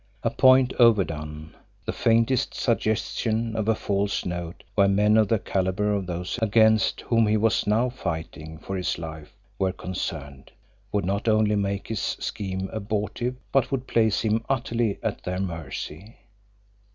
A point overdone, the faintest suggestion of a false note where men of the calibre of those against whom he was now fighting for his life were concerned, would not only make his scheme abortive, but would place him utterly at their mercy.